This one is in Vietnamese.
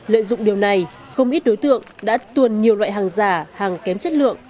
lợi dụng điều này không ít đối tượng đã tuồn nhiều loại hàng giả hàng kém chất lượng